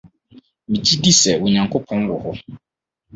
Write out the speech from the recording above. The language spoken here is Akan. Migye di sɛ Onyankopɔn wɔ hɔ.